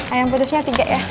ayam pedasnya tiga ya